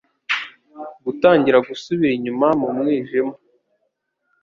Gutangira gusubira inyuma mu mwijima